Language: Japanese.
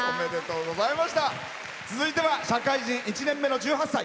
続いては社会人１年目の１８歳。